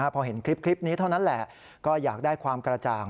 พอเห็นคลิปนี้เท่านั้นแหละก็อยากได้ความกระจ่าง